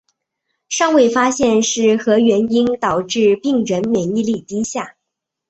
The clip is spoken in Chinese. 尚未发现是何原因导致病人免疫力低下。